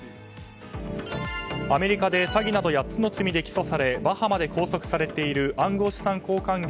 アメリカで詐欺など８つの罪で起訴されバハマで拘束されている暗号資産交換業